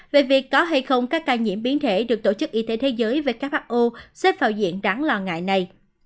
về việc có hay không các ca nhiễm biến thể được tổ chức y tế thế giới who xếp vào diện đáng lo ngại này